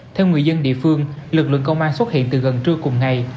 theo người dân địa phương lực lượng công an xuất hiện từ gần trưa cùng ngày